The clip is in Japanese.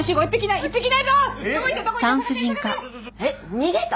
逃げた？